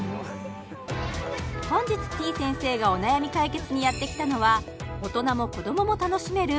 本日てぃ先生がお悩み解決にやってきたのは大人も子どもも楽しめる